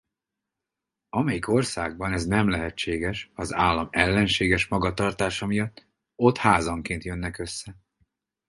Amelyik országban ez nem lehetséges az állam ellenséges magatartása miatt ott házanként jönnek össze.